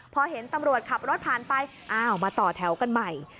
พอเห็นตำรวจขับรถผ่านไปอ้าวมาต่อแถวกันใหม่